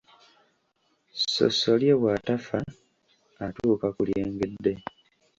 Ssossolye bw’atafa atuuka ku lyengedde.